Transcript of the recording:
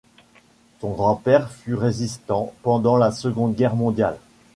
Son grand-père fut résistant pendant la Seconde Guerre mondiale.